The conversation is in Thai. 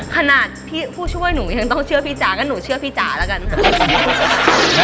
ขนาดพี่ผู้ช่วยหนูยังต้องเชื่อพี่จ๋าก็หนูเชื่อพี่จ๋าแล้วกันค่ะ